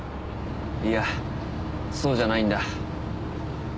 いやそうじゃないんだ。